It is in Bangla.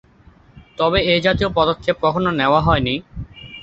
তবে এ জাতীয় পদক্ষেপ কখনো নেওয়া হয়নি।